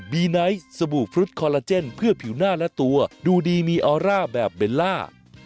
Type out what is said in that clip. ไนท์สบู่ฟรุตคอลลาเจนเพื่อผิวหน้าและตัวดูดีมีออร่าแบบเบลล่า